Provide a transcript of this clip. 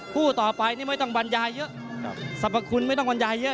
คู่ต่อไปนี่ไม่ต้องบรรยายเยอะสรรพคุณไม่ต้องบรรยายเยอะ